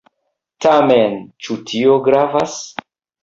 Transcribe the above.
Tamen, ĉu tio gravas?